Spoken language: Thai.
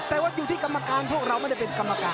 แต่ว่าอยู่ที่กรรมการพวกเราไม่ได้เป็นกรรมการ